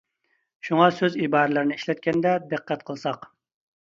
شۇڭا سۆز ئىبارىلەرنى ئىشلەتكەندە دىققەت قىلساق.